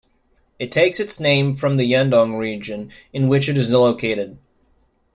It takes its name from the Yeongdong region, in which it is located.